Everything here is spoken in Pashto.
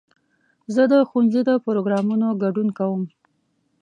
زه د ښوونځي د پروګرامونو ګډون کوم.